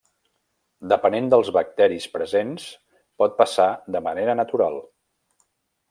Depenent dels bacteris presents, pot passar de manera natural.